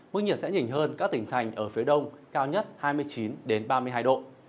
mức nhiệt sẽ nhỉnh hơn các tỉnh thành ở phía đông cao nhất hai mươi chín ba mươi hai độ